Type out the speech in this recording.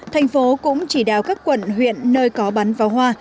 thành phố cũng chỉ đạo các quận huyện nơi có bắn pháo hoa